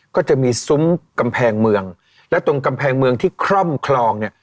ก็จะมีซุ้มกำแพงเมืองและตรงกำแพงเมืองที่คร่อมคลองเนี่ย